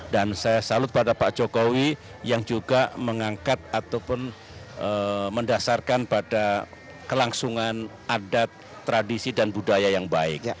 dan saya salut pada pak jokowi yang juga mengangkat ataupun mendasarkan pada kelangsungan adat tradisi dan budaya yang baik